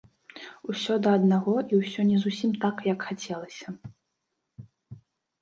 Усё да аднаго, і ўсё не зусім так, як хацелася.